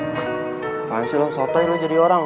makasih lo sotohin lo jadi orang